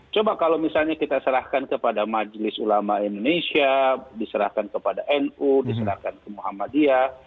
coba kalau misalnya kita serahkan kepada majelis ulama indonesia diserahkan kepada nu diserahkan ke muhammadiyah